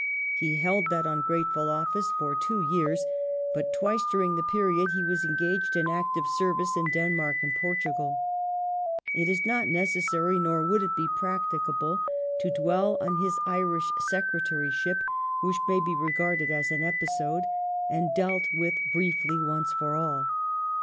He held that ungrateful office for two WELLINGTON years, but twice during the period he was engaged in active service in Denmark and Portugal It is not necessary, nor would it be practicable, to dwell on his Irish secretaryship, which may be regarded as an episode, and dealt with briefly once for all.